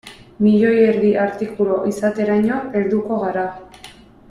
Milioi erdi artikulu izateraino helduko gara.